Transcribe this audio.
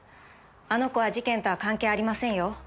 あの子は事件とは関係ありませんよ。